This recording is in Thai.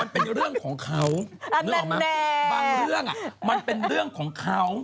เป็นเรื่องของเขา